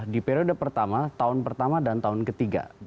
di periode pertama tahun pertama dan tahun ketiga